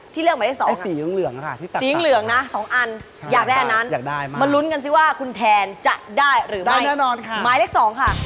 ที่เลือกหมายเลข๒น่ะสีหรืองน่ะสองอันอยากได้อันนั้นมาลุ้นกันสิว่าคุณแทนจะได้หรือไม่หมายเลข๒ค่ะ